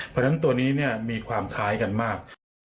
เพราะฉะนั้นตัวนี้มีความคล้ายกันมาก